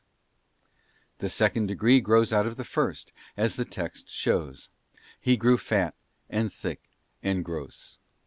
§ The second degree grows out of the first, as the text shows: 'he grew fat, and thick, and gross.